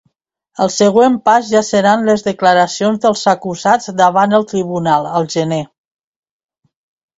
El següent pas ja seran les declaracions dels acusats davant el tribunal al gener.